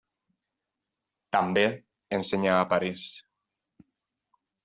També ensenyà a París.